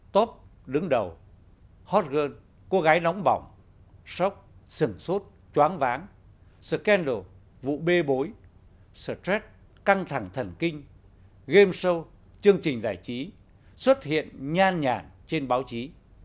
top đứng đầu hot girl cô gái nóng bỏng shock sừng sốt choáng váng scandal vụ bê bối stress căng thẳng thần kinh game show chương trình giải trí xuất hiện nhan nhạc trên báo chí